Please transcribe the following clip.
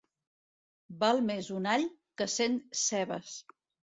Val més un all que cent cebes.